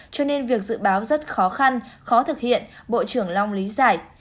cho nên việc dự báo rất khó khăn khó thực hiện bộ trưởng long lý giải